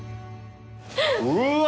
うわ！